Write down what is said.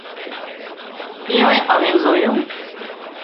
ايئانئي آوين زويون